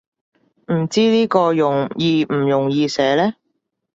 唔知呢個容易唔容易寫呢